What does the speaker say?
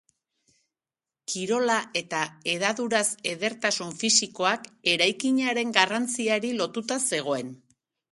Kirola eta hedaduraz edertasun fisikoak, eraikinaren garrantziari lotuta zegoen.